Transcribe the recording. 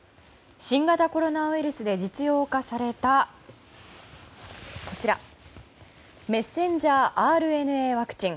新型コロナウイルスで実用化されたこちらメッセンジャーＲＮＡワクチン。